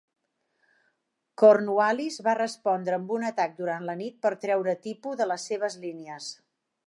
Cornwallis va respondre amb un atac durant la nit per treure Tipu de les seves línies.